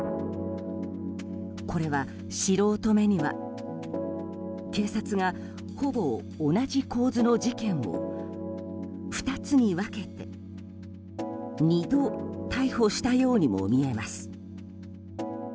これは素人目には警察がほぼ同じ構図の事件を２つに分けて２度逮捕したようにも見えます。